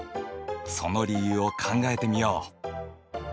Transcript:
その理由を考えてみよう。